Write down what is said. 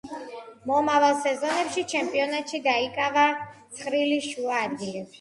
მომავალ სეზონებში ჩემპიონატში დაიკავა ცხრილის შუა ადგილები.